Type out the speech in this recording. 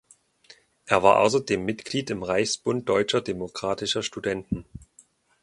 Er war außerdem Mitglied im Reichsbund Deutscher Demokratischer Studenten.